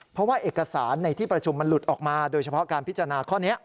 เพราะว่าเอกสารในที่ประชุมมันหลุดออกมาโดยเฉพาะการพิจารณาข้อนี้